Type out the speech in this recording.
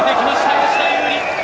吉田優利。